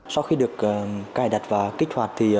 sau khi được cài đặt và kích hoạt